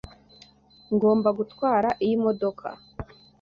Ngomba gutwara iyi modoka.